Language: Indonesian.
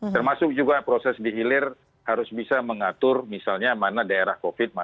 termasuk juga proses dihilir harus bisa mengatur misalnya mana daerah covid